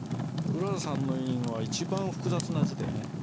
うららさんの印は一番複雑な字でね。